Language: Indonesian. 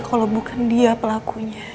kalau bukan dia pelakunya